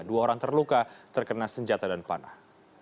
dua orang terluka terkena senjata dan panah